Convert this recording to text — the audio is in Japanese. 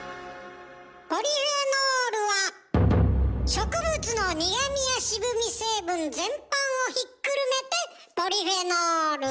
ポリフェノールは植物の苦味や渋味成分全般をひっくるめてポリフェノール。